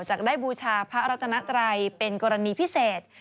จากได้บูชาพระรัตนไตรเป็นกรณีพิเศษ